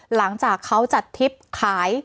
หลังจากเขาจัดทริปขาย